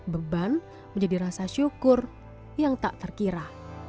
beban menjadi rasa syukur yang tak terkira